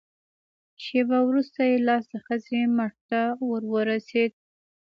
شېبه وروسته يې لاس د ښځې مټ ته ور ورسېد.